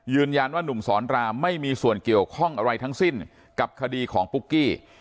นุ่มสอนรามไม่มีส่วนเกี่ยวข้องอะไรทั้งสิ้นกับคดีของปุ๊กกี้